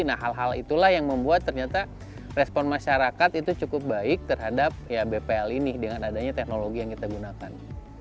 nah hal hal itulah yang membuat ternyata respon masyarakat itu cukup baik terhadap bpl ini dengan adanya teknologi yang kita gunakan